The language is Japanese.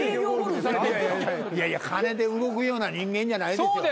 金で動くような人間じゃないですよ